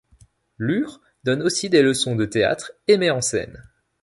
Lühr donne aussi des leçons de théâtre et met en scène.